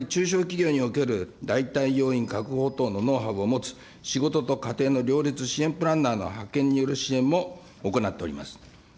加えて、中小企業における代替要員確保等のノウハウを持つ仕事と家庭の両立支援プランナーの派遣による支援も行っております。